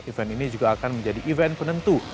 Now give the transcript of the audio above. event ini juga akan menjadi event penentu